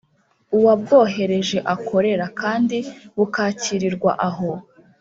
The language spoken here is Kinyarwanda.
Uwabwohereje akorera kandi bukakirirwa aho